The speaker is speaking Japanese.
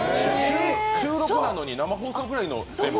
収録なのに生放送くらいのレベルで！？